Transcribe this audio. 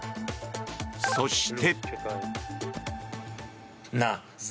そして。